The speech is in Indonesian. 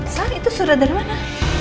saat itu surat dari mana